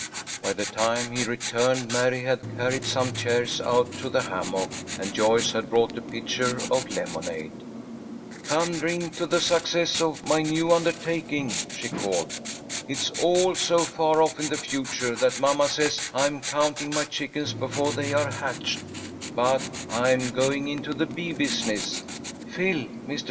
By the time he returned, Mary had carried some chairs out to the hammock, and Joyce had brought a pitcher of lemonade. "Come, drink to the success of my new undertaking," she called. "It's all so far off in the future that mamma says I'm counting my chickens before they are hatched, but I'm going into the bee business, Phil. Mr.